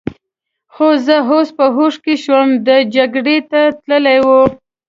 خو زه اوس په هوښ کې شوم، دی جګړې ته تلی و.